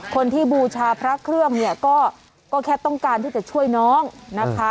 บูชาพระเครื่องเนี่ยก็แค่ต้องการที่จะช่วยน้องนะคะ